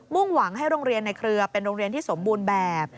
่งหวังให้โรงเรียนในเครือเป็นโรงเรียนที่สมบูรณ์แบบ